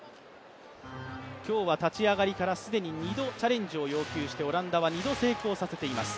今日は立ち上がりから既に２度チャレンジを要求してオランダは２度成功させています。